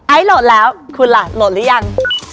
โหลดแล้วคุณล่ะโหลดหรือยัง